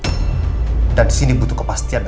masa lalu andien adalah mantan istri saya